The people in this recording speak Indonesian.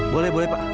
boleh boleh pak